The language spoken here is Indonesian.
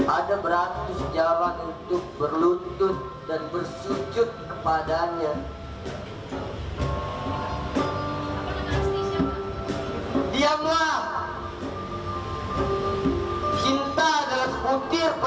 ada beratus jalan untuk berlutut dan bersujud kepadanya